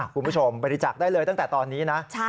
บริจาคได้เลยตั้งแต่ตอนนี้นะ